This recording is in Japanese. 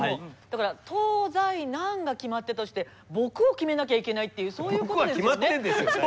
だから東西南が決まったとして北を決めなきゃいけないっていうそういうことですよね？